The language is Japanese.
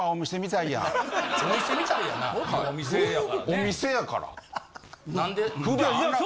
お店やからね。